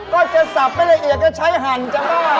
ก็จะศัพท์ไปละเอียดก็ใช้หั่นจำบ้า